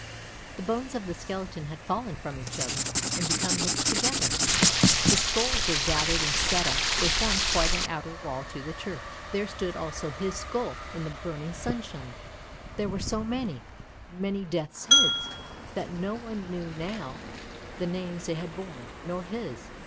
The bones of the skeleton had fallen from each other, and become mixed together. The skulls were gathered and set up — they formed quite an outer wall to the church. There stood also his skull in the burning sunshine: there were so many, many death's heads, that no one knew now the names they had borne, nor his.